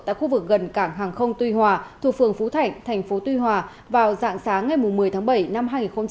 tại khu vực gần cảng hàng không tuy hòa thuộc phường phú thạnh tp tuy hòa vào dạng sáng ngày một mươi tháng bảy năm hai nghìn một mươi chín